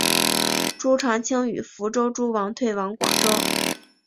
朱常清与福州诸王退往广州。